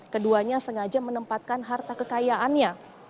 keduanya sengaja menempatkan harta kekayaannya